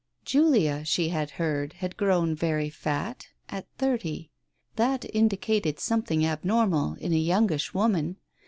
... Julia, she had heard, had grown very fat — at thirty. ... That indicated something abnormal, in a youngish woman